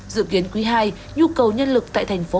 dự kiến quý hai nhu cầu nhân lực tại tp hcm cần khoảng bảy mươi